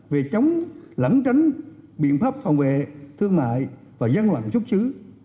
về chống lẩn tránh biện pháp phòng vệ thương mại và gian loạn xuất xứ